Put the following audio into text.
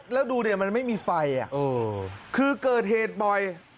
แล้วดูดิมันไม่มีไฟคือเกิดเหตุบ่อย